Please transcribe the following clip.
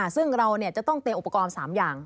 ซึ่งเราจะต้องเตรียมอุปกรณ์๓อย่าง